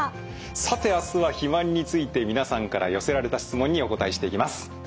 さて明日は肥満について皆さんから寄せられた質問にお答えしていきます。